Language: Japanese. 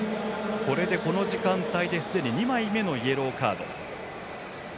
これでこの時間帯ですでに２枚目のイエローカード。